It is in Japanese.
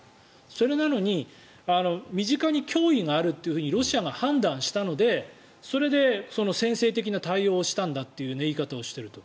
それなのに身近に脅威があるというふうにロシアが判断したので、それで先制的な対応をしたんだという言い方をしていると。